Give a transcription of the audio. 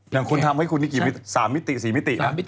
อย่างคุณทำให้คุณนี่กี่๓มิติ๔มิตินะ